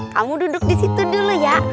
kamu duduk disitu dulu ya